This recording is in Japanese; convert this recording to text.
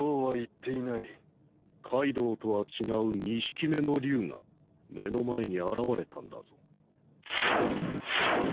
カイドウとは違う２匹目の龍が目の前に現れたんだぞ。